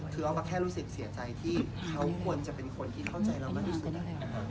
คือเอามาแค่รู้สึกเสียใจที่เขาควรจะเป็นคนที่เข้าใจเรามาที่สุด